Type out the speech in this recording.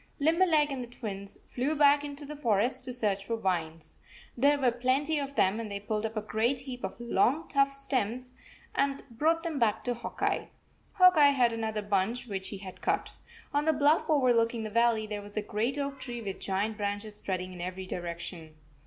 Limberleg and the Twins flew back into the forest to search for vines. There were plenty of them, an d they pulled up a great heap of long, tough stems, and 64 brought them back to Hawk Eye. Hawk Eye had another bunch which he had cut On the bluff overlooking the valley there was a great oak tree with giant branches spreading in every direction.